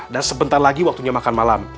dan sebentar lagi waktunya makan malam